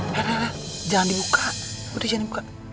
lha lha lha jangan dibuka udah jangan dibuka